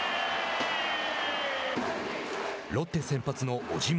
ロッテ先発の小島。